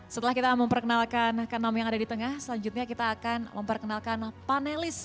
setelah kita memperkenalkan kanam yang ada di tengah selanjutnya kita akan memperkenalkan panelis